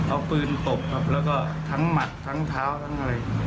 เอาปืนตบครับแล้วก็ทั้งหมัดทั้งเท้าทั้งอะไร